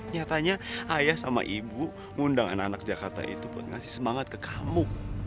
nyatanya ayah sama ibu ngundang anak anak jakarta itu buat ngasih semangat ke kamu